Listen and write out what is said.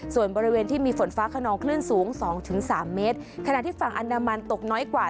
ส่วนบริเวณที่มีฝนฟ้าขนองคลื่นสูงสองถึงสามเมตรขณะที่ฝั่งอันดามันตกน้อยกว่า